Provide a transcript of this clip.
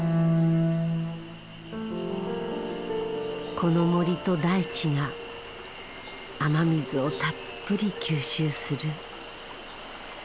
この森と大地が雨水をたっぷり吸収する。